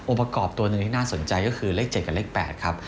ประกอบตัวหนึ่งที่น่าสนใจก็คือเลข๗กับเลข๘ครับ